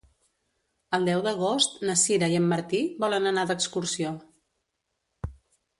El deu d'agost na Sira i en Martí volen anar d'excursió.